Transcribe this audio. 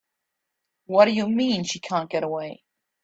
What do you mean she can't get away?